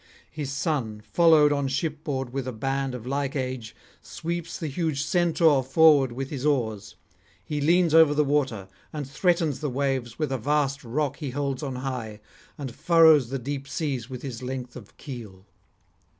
His son, followed on shipboard with a band of like age, sweeps the huge Centaur forward with his oars; he leans over the water, and [196 227]threatens the waves with a vast rock he holds on high, and furrows the deep seas with his length of keel.